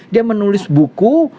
dia menulis buku